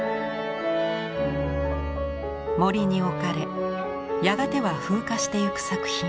森に置かれやがては風化していく作品。